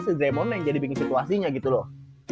si dremon yang jadi bikin situasinya gitu loh